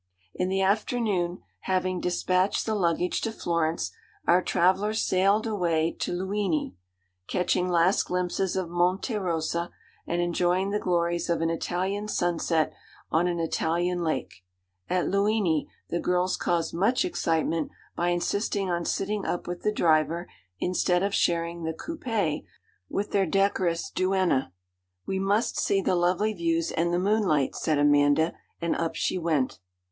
In the afternoon, having despatched the luggage to Florence, our travellers sailed away to Luini, catching last glimpses of Monte Rosa, and enjoying the glories of an Italian sunset on an Italian lake. At Luini the girls caused much excitement by insisting on sitting up with the driver instead of sharing the coupé with their decorous duenna. 'We must see the lovely views and the moonlight,' said Amanda, and up she went.